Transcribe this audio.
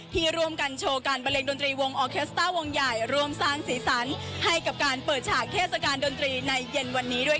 ที่ร่วมกันโชว์การบันเลงดนตรีวงออเคสต้าวงใหญ่ร่วมสร้างสีสันให้กับการเปิดฉากเทศกาลดนตรีในเย็นวันนี้ด้วย